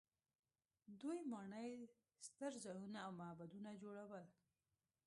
دوی ماڼۍ، ستر ځایونه او معبدونه جوړول.